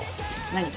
何？